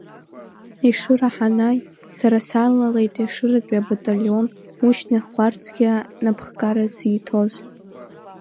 Ешыра ҳанааи, сара салалеит Ешыратәи абаталион Мушьни Хәарцкиа напхгара зиҭоз.